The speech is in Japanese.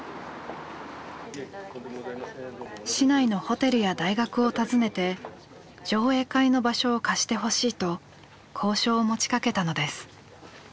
市内のホテルや大学を訪ねて上映会の場所を貸してほしいと交渉を持ちかけたのです。